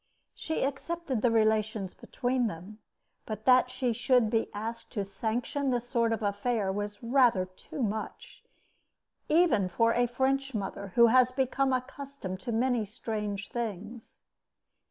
She accepted the relations between them, but that she should be asked to sanction this sort of affair was rather too much, even for a French mother who has become accustomed to many strange things.